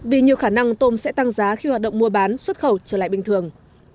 vì nhiều khả năng tôm sẽ tăng giá khi hoạt động mua bán xuất khẩu trở lại bình thường